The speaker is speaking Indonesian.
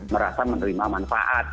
merasa menerima manfaat